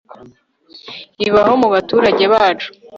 ibaho mu baturage bacu